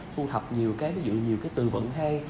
thu thập nhiều cái ví dụ nhiều cái tư vận hay